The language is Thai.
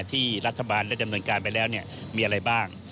ที่รัฐบาลได้ดำเนินการไปแล้วมีอะไรบ้าง